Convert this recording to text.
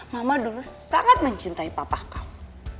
mama dulu sangat mencintai papa kau